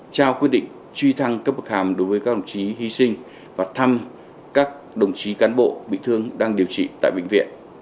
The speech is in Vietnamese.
trao quyết định truy thăng cấp bậc hàm đối với các đồng chí hy sinh và thăm các đồng chí cán bộ bị thương đang điều trị tại bệnh viện